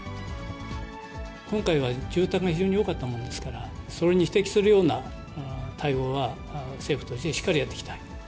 今回は住宅が非常に多かったものですから、それに匹敵するような対応は政府としてしっかりやっていきたい。